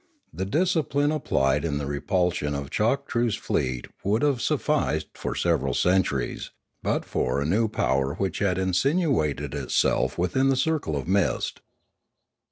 The discipline applied in the repulsion of Choktroo's fleet would have sufficed for several centuries, but for a new power which had insinuated itself within the circle of mist.